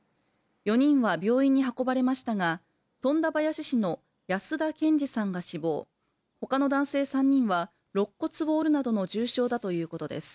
４人は病院に運ばれましたが富田林市の安田建司さんが死亡ほかの男性３人はろっ骨を折るなどの重傷だということです